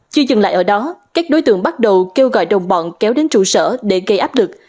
chưa dừng lại ở đó các đối tượng bắt đầu kêu gọi đồng bọn kéo đến trụ sở để gây áp lực